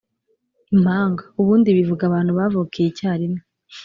impanga: ubundi bivuga abantu bavukiye icyarimwe